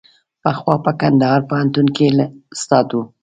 پخوا په کندهار پوهنتون کې استاد و.